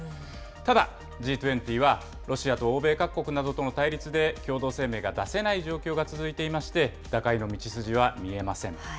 ただ、Ｇ２０はロシアと欧米各国などとの対立で、共同声明が出せない状況が続いていまして、打開の道筋は見えません。